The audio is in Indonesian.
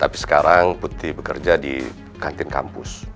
tapi sekarang putih bekerja di kantin kampus